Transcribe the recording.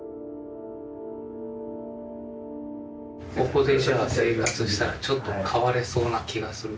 ここでじゃあ生活したらちょっと変われそうな気がする？